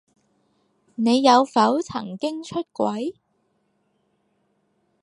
你有否曾經出軌？